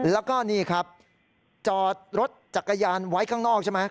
แล้วก็นี่ครับจอดรถจักรยานไว้ข้างนอกใช่ไหม